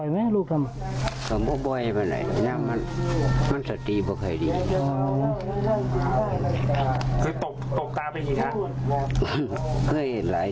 มันมันสตีปล่วงไทยดีคือตกตกกาไปอีกครับ